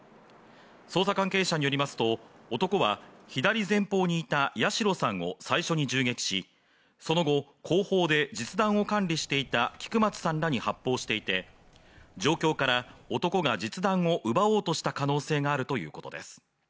捜査関係者によりますと、男は左前方にいた八代さんを最初に銃撃し、その後、後方で実弾を管理していた菊松さんらに発砲していて、状況から、男が実弾を奪おうとした可能性があるということです。